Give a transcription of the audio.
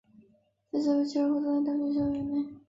他死后和妻儿合葬在密歇根大学校园内。